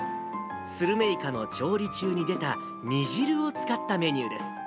スルメイカの調理中に出た煮汁を使ったメニューです。